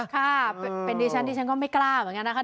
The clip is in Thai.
ครับเป็นดิฉันที่ฉันก็ไม่กล้าเหมือนกันนะครับ